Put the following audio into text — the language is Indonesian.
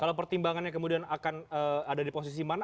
kalau pertimbangannya kemudian akan ada di posisi mana